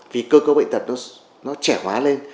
vì cơ cơ bệnh tật nó trẻ hóa lên